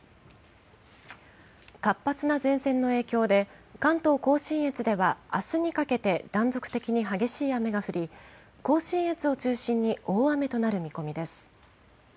活発な前線の影響で、関東甲信越ではあすにかけて断続的に激しい雨が降り、甲信越を中心に大雨となる見込みです。